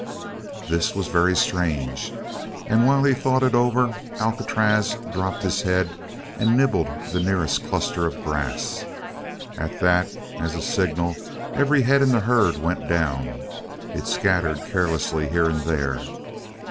This was very strange, and while he thought it over Alcatraz dropped his head and nibbled the nearest cluster of grass. At that, as at a signal, every head in the herd went down; it scattered carelessly here and there.